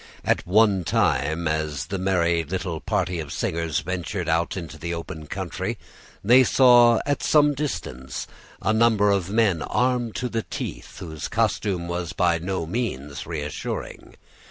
At one time, as the merry little party of singers ventured out into the open country, they saw at some distance a number of men armed to the teeth, whose costume was by no means reassuring.